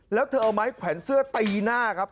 แล้วเธอเอาไม้แขวนเสื้อตีหน้าครับ